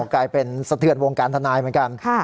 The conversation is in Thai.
กลายเป็นสะเทือนวงการทนายเหมือนกัน